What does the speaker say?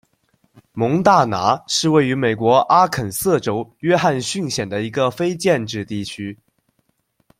蒙大拿是位于美国阿肯色州约翰逊县的一个非建制地区。